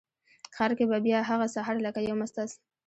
ښار کې به بیا هغه سهار لکه یو مست آس،